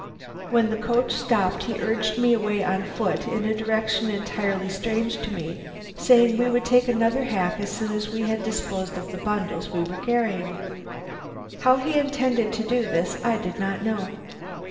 "When the coach stopped, he urged me away on foot in a direction entirely strange to me, saying we would take another hack as soon as we had disposed of the bundles we were carrying. How he intended to do this, I did not know.